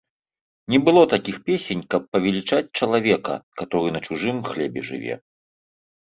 Не было такіх песень, каб павелічаць чалавека, каторы на чужым хлебе жыве.